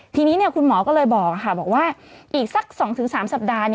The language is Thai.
ทีนี้คุณหมอก็เลยบอกว่าอีกสัก๒๓สัปดาห์